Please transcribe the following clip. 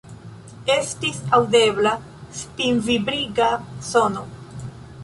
Estis aŭdebla spinvibriga sono.